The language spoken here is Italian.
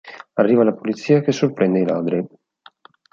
Arriva la polizia che sorprende i ladri.